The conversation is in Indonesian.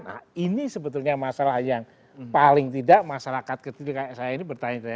nah ini sebetulnya masalah yang paling tidak masyarakat kecil kayak saya ini bertanya tanya